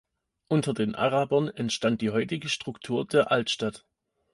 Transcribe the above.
Unter den Arabern entstand die heutige Struktur der Altstadt.